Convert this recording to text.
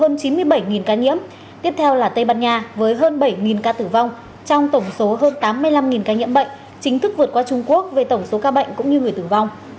hơn chín mươi bảy ca nhiễm tiếp theo là tây ban nha với hơn bảy ca tử vong trong tổng số hơn tám mươi năm ca nhiễm bệnh chính thức vượt qua trung quốc về tổng số ca bệnh cũng như người tử vong